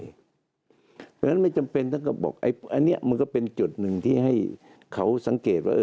เพราะฉะนั้นไม่จำเป็นท่านก็บอกอันนี้มันก็เป็นจุดหนึ่งที่ให้เขาสังเกตว่า